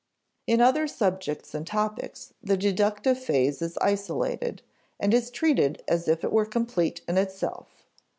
In other subjects and topics, the deductive phase is isolated, and is treated as if it were complete in itself.